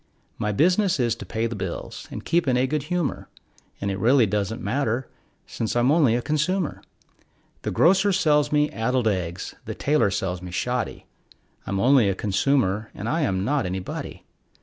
My business is to pay the bills and keep in a good humor, And it really doesn't matter, since I'm only a consumer. The grocer sells me addled eggs; the tailor sells me shoddy, I'm only a consumer, and I am not anybody.